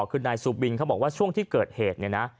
คือนายซูบินเขาบอกว่าช่วงที่เกิดเหตุเนี่ยนะ